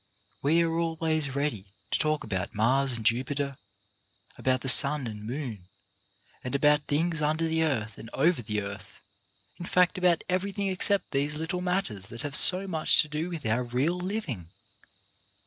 We are always ready to talk about Mars and Jupiter, about the sun and moon, and about things under the earth and over the earth — in fact about everything except these little matters that have so much to do with our real living.